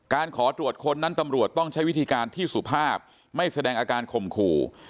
ขอตรวจค้นนั้นตำรวจต้องใช้วิธีการที่สุภาพไม่แสดงอาการข่มขู่